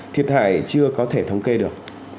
thiệt hại chưa có thể thống kê được